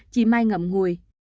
chị mai ngậm ngùi